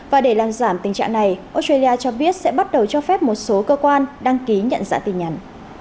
và để làm giảm tình trạng này australia cho biết sẽ bắt đầu cho phép một số cơ quan đăng ký nhận dạng tin nhắn